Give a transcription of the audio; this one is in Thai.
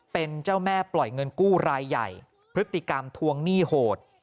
เป็นเจ้าแม่ปล่อยเงินกู้รายใหญ่พฤติกรรมทวงหนี้โหด